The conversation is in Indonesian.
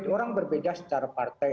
orang berbeda secara partai